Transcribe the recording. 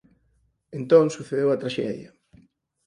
Entón sucedeu a traxedia.